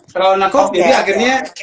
terlalu nakuk jadi akhirnya